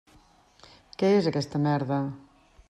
Què és aquesta merda?